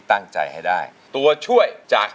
อินโทรเพลงที่๓มูลค่า๔๐๐๐๐บาทมาเลยครับ